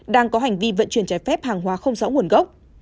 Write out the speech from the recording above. đang có hành vi vận chuyển trái phép hàng hóa không rõ nguồn gốc